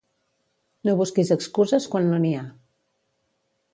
No busquis excuses quan no n'hi ha.